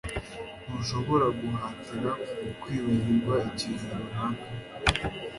Ntushobora guhatira kwibagirwa ikintu runaka.